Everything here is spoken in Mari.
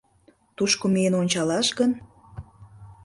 Тушко миен ончалаш гын?